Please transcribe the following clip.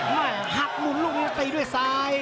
เฮ้ยหักมุมลูกนี้ตีด้วยซ้าย